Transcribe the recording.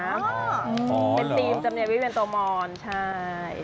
อ๋อหรือเป็นธีมจำเนียววิเวียนโตมอนใช่